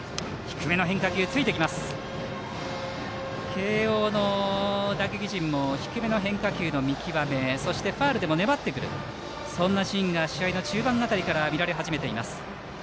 慶応の打撃陣も低めの変化球の見極めそしてファウルでも粘ってくるというシーンが試合の中盤辺りから見られ始めています。